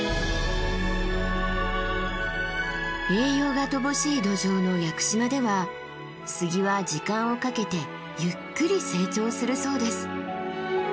栄養が乏しい土壌の屋久島では杉は時間をかけてゆっくり成長するそうです。